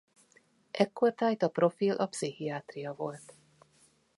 Ekkortájt a profil a pszichiátria volt.